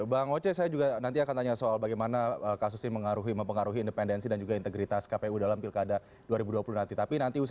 bang oce saya juga nanti akan tanya soal bagaimana kasus ini mempengaruhi independensi dan juga integritas kpu dalam pilkada dua ribu dua puluh nanti